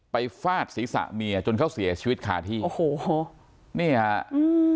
ฟาดศีรษะเมียจนเขาเสียชีวิตคาที่โอ้โหนี่ฮะอืม